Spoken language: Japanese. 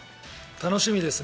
楽しみですね。